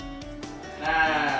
nah di sini kan